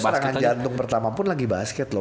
gue tuh serangan jantung pertama pun lagi basket loh